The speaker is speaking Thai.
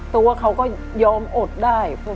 ตัวเขาก็ย้อมอดได้เพื่อพ่อแม่